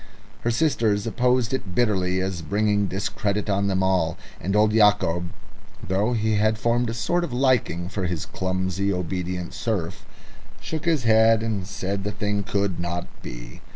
Her sisters opposed it bitterly as bringing discredit on them all; and old Yacob, though he had formed a sort of liking for his clumsy, obedient serf, shook his head and said the thing could not be.